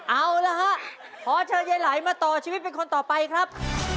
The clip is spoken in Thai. เอาละฮะขอเชิญยายไหลมาต่อชีวิตเป็นคนต่อไปครับ